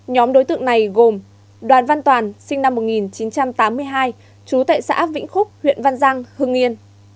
nhóm đối tượng này gồm đoàn văn toàn sinh năm một nghìn chín trăm tám mươi hai trú tại xã vĩnh phúc huyện văn giang hưng yên